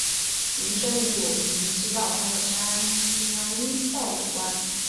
名称与五畿七道中的山阳道有关。